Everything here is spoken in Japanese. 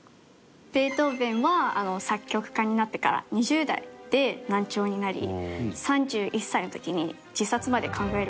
ベートーヴェンは作曲家になってから２０代で難聴になり３１歳の時に自殺まで考えるほど悩みました。